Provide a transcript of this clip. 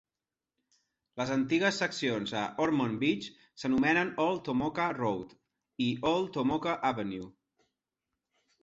Les antigues seccions a Ormond Beach s'anomenen "Old Tomoka Road" i "Old Tomoka Avenue".